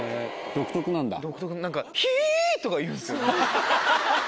独特なんだ。とか言うんですよ。